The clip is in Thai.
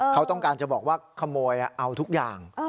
เขาต้องการจะบอกว่าขโมยเอาทุกอย่าง